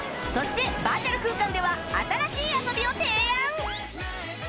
そしてバーチャル空間では新しい遊びを提案！